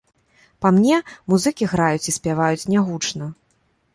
Па мне, музыкі граюць і спяваюць не гучна.